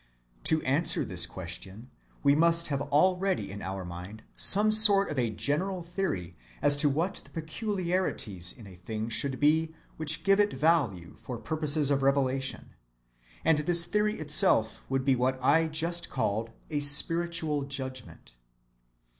To answer this other question we must have already in our mind some sort of a general theory as to what the peculiarities in a thing should be which give it value for purposes of revelation; and this theory itself would be what I just called a spiritual judgment.